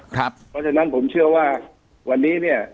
เพราะฉะนั้นผมเชื่อว่าวันนี้เนี่ย